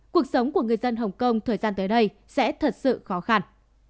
cuộc sống của người dân hồng kông thời gian tới đây sẽ thật sự khó khăn